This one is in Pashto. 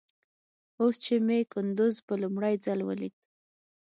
اوس چې مې کندوز په لومړي ځل وليد.